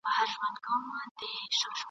د مغان د پیر وصیت مي دی په غوږ کي !.